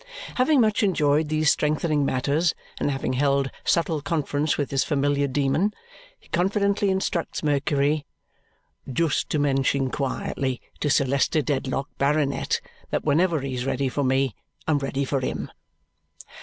Having much enjoyed these strengthening matters and having held subtle conference with his familiar demon, he confidently instructs Mercury "just to mention quietly to Sir Leicester Dedlock, Baronet, that whenever he's ready for me, I'm ready for him."